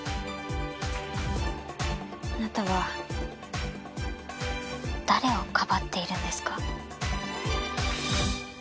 あなたは誰をかばっているんですか？